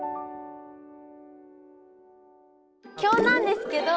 今日なんですけど。